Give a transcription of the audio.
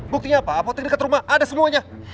buktinya apa apotek dekat rumah ada semuanya